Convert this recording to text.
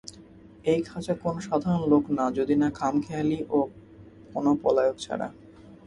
এই খাঁচা কোনো সাধারণ লোক না যদি না খামখেয়ালি ও কোনো পলায়ক ছাড়া।